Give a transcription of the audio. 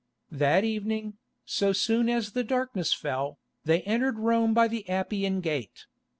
That evening, so soon as the darkness fell, they entered Rome by the Appian Gate.